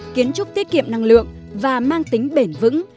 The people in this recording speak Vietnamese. kiến trúc tiết kiệm năng lượng và mang tính bền vững